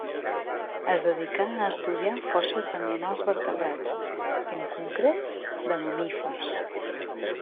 Es dedicà a estudiar fòssils d'animals vertebrats, i en concret, de mamífers.